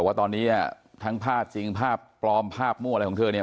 ว่าตอนนี้ทั้งภาพจริงภาพปลอมภาพมั่วอะไรของเธอเนี่ย